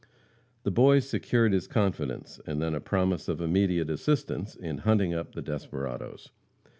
The boys secured his confidence, and then a promise of immediate assistance in hunting up the desperadoes.